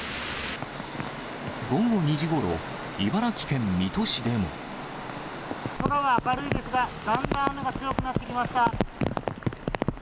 午後２時ごろ、空は明るいですが、だんだん雨が強くなってきました。